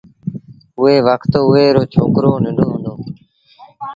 اُئي وکت اُئي رو ڇوڪرو ننڍو هُݩدو